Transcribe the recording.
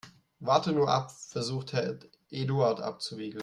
Warte nur ab, versucht Herr Eduard abzuwiegeln.